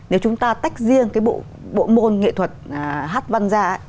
nếu chúng ta tách riêng cái bộ bộ môn nghệ thuật hát văn ra ấy